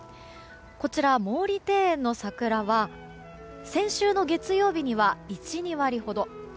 こちら、毛利庭園の桜は先週の月曜日には１２割ほど。